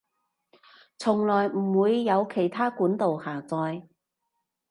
從來唔會由其它管道下載